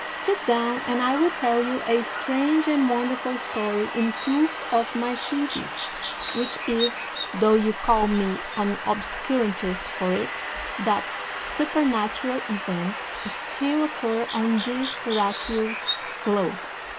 Sit down, and I will tell you a strange and wonderful story in proof of my thesis, which is, though you call me an obscurantist for it, that supernatural events still occur on this terraqueous globe.